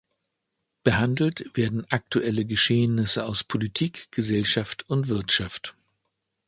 Behandelt werden aktuelle Geschehnisse aus Politik, Gesellschaft und Wirtschaft.